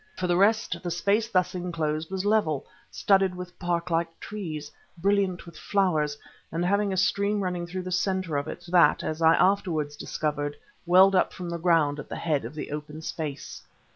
For the rest, the space thus enclosed was level, studded with park like trees, brilliant with flowers, and having a stream running through the centre of it, that, as I afterwards discovered, welled up from the ground at the head of the open space.